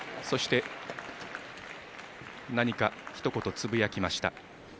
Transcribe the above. そして、何かひと言つぶやきました。